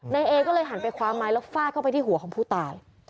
นายเอก็เลยหันไปคว้าไม้แล้วฟาดเข้าไปที่หัวของผู้ตาย